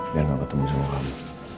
biar gak ketemu sama kami